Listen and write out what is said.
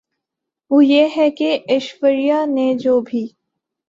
وہ یہ ہے کہ ایشوریا نے جو بھی